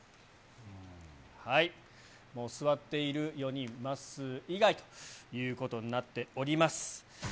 はい、もう座っている４人、まっすー以外ということになっております。